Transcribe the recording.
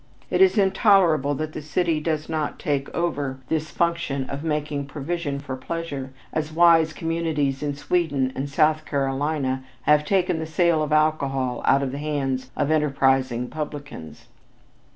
It is intolerable that the city does not take over this function of making provision for pleasure, as wise communities in Sweden and South Carolina have taken the sale of alcohol out of the hands of enterprising publicans.